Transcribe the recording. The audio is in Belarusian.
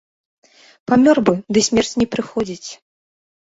Памёр бы, ды смерць не прыходзіць.